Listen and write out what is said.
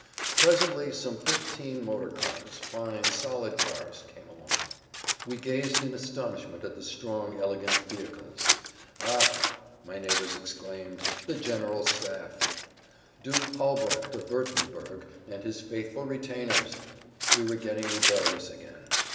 Presently some fifteen motorcars, fine solid cars, came along. We gazed in astonishment at the strong, elegant vehicles. "Ah!" my neighbors exclaimed, "the General Staff!" Duke Albrecht of Wurttemberg and his faithful retainers! We were getting rebellious again.